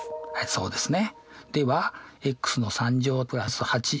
そうですね。